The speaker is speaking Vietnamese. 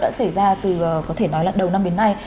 đã xảy ra từ có thể nói là đầu năm đến nay